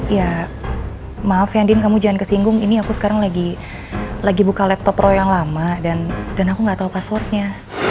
ya maaf ya andin kamu jangan kesinggung ini aku sekarang lagi buka laptop roy yang lama dan aku nggak tahu passwordnya